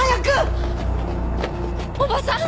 おばさん！？